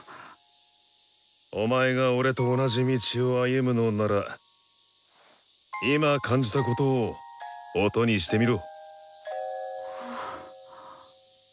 お前が俺と同じ道を歩むのなら今感じたことを音にしてみろ！